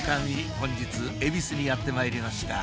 本日恵比寿にやってまいりました